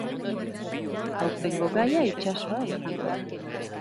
Aurtengo gaia itsasoa izango da.